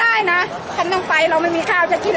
อาหรับเชี่ยวจามันไม่มีควรหยุด